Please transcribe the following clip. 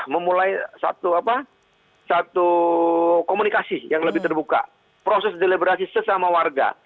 memulai satu komunikasi yang lebih terbuka proses deliberasi sesama warga